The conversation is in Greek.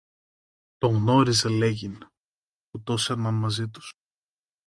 Το γνώρισε, λέγει, που τόσερναν μαζί τους